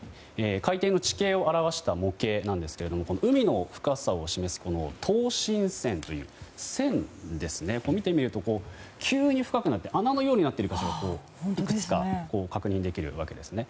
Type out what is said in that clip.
海底の地形を表した模型なんですけども海の深さを示すという等深線という線を見てみると、急に深くなって穴のようになっている箇所がいくつか確認できるわけですね。